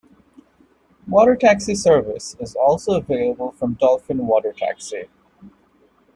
Water taxi service is also available from Dolphin Water Taxi.